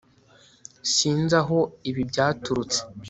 sinzi aho ibi byaturutse